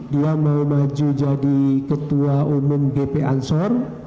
dia mau maju jadi ketua umum bp ansor